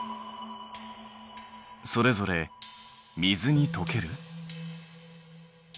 それぞれ水にとける？